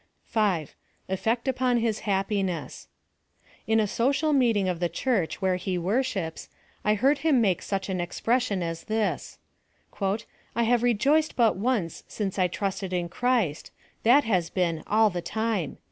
] 3. Effect upon his happiness. In a social meet ing of the church where he worships, I heard him make such an expression as this —" I have rejoiced but once since I trusted in Christ — that has been all the time."